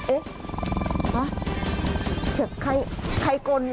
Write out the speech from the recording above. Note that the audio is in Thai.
เอ๊ะฮะเก็บใครใครโกนเหรอ